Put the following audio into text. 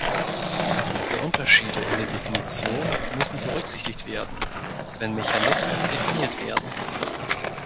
Diese Unterschiede in der Definition müssen berücksichtigt werden, wenn Mechanismen definiert werden.